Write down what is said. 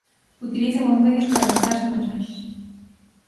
Utilizan os medios para lanzarse mensaxes.